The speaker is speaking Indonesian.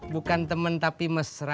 bukan temen tapi mesra